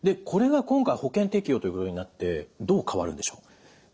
これが今回保険適用ということになってどう変わるんでしょう？